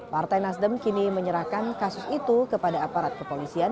partai nasdem kini menyerahkan kasus itu kepada aparat kepolisian